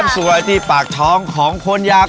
เซททีไปเน๊ก